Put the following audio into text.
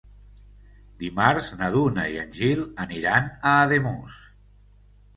Dimarts na Duna i en Gil aniran a Ademús.